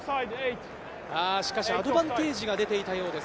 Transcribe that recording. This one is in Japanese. しかしアドバンテージが出ていたようです。